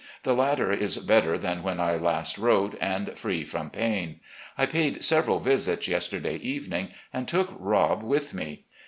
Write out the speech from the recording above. The latter is better than when I last wrote, and free from pain. I paid several visits yesterday evening, and took Rob with me.